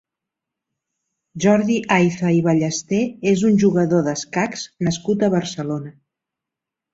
Jordi Ayza i Ballester és un jugador d'escacs nascut a Barcelona.